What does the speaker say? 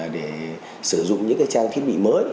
để sử dụng những trang thiết bị mới